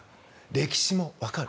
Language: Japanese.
歴史もわかる。